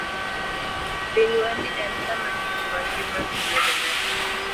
Pinywani en kama gik ma ngima yudoree.